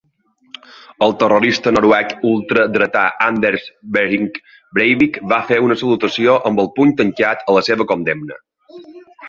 El terrorista noruec ultradretà Anders Behring Breivik va fer una salutació amb el puny tancat a la seva condemna.